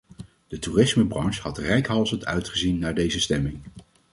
De toerismebranche had reikhalzend uitgezien naar deze stemming.